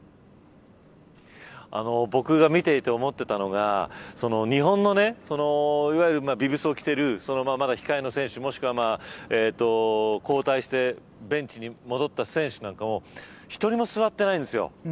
僕が見ていて思っていたのが日本のビブスを着ている控えの選手や交代してベンチに戻った選手なんかも１人も座っていないんです。